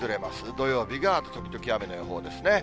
土曜日が時々雨の予報ですね。